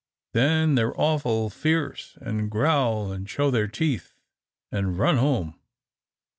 Then they're awful fierce, an' growl an' show their teeth, an' run home.